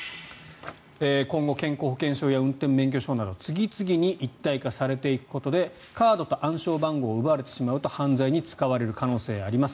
今後健康保険証や運転免許証など次々に一体化されていくことでカードと暗証番号を奪われてしまうと犯罪に使われてしまう可能性があります